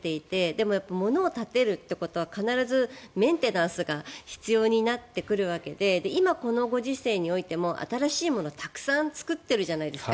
でも物を建てるっていうことは必ずメンテナンスが必要になってくるわけで今このご時世においても新しいもの、たくさん作っているじゃないですか。